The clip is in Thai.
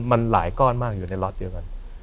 มันหลายก้อนมากอยู่ในล็อตเดียวกัน